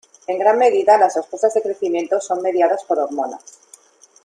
En gran medida, las respuestas de crecimiento son mediadas por hormonas.